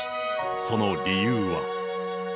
その理由は。